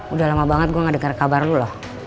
udah lama banget gue gak denger kabar lo